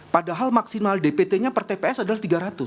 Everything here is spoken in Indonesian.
padahal maksimal dpt nya per tps adalah rp tiga ratus